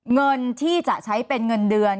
เงินที่จะใช้เป็นเงินเดือน